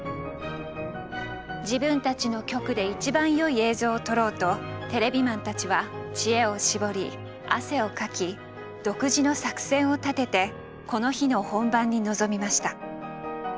自分たちの局で一番よい映像を撮ろうとテレビマンたちは知恵を絞り汗をかき独自の作戦を立ててこの日の本番に臨みました。